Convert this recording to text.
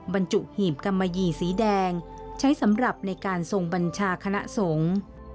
บรรจุหีบกำมะหยี่สีแดงใช้สำหรับในการทรงบัญชาคณะสงฆ์